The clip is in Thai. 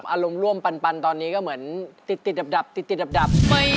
อารมณ์ร่วมปันตอนนี้ก็เหมือนติดดับติดดับ